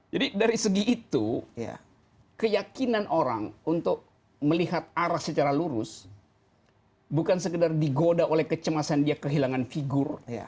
jadi dari segi itu keyakinan orang untuk melihat arah secara lurus bukan sekadar digoda oleh kecemasan dia kehilangan figur